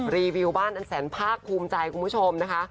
รีวิวบ้านอันแสนภาคภูมิใจคุณผู้ชมนะคะ